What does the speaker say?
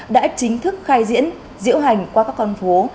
đã chính thức khai diễn diễu hành qua các con phố